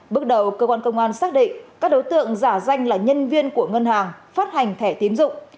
bước đầu cơ quan công an xác định các đối tượng giả danh là nhân viên của ngân hàng phát hành thẻ tín dụng